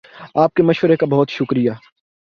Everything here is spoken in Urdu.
آپ کے مشورے کا بہت شکر یہ